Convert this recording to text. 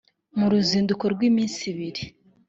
mu ruzinduko rw’iminsi ibiri